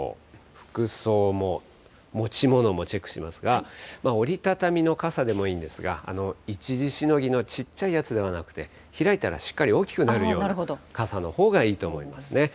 服装も持ち物もチェックしますが、折り畳みの傘でもいいのですが、一時しのぎのちっちゃいやつではなくて、開いたらしっかり大きくなるような傘のほうがいいと思いますね。